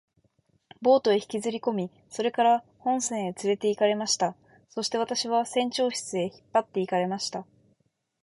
ボートへ引きずりこみ、それから本船へつれて行かれました。そして私は船長室へ引っ張って行かれました。